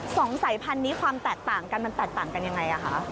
สองสายพันธุ์นี้ความแตกต่างกันมันแตกต่างกันยังไงอ่ะคะ